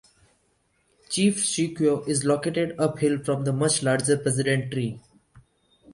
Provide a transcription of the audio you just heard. Chief Sequoyah is located uphill from the much larger President tree.